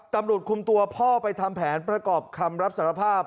ตำรวจคุมตัวพ่อไปทำแผนประกอบคำรับสารภาพ